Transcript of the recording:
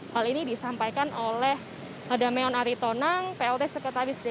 hal ini disampaikan oleh adameon aritonang pld sekretaris dewan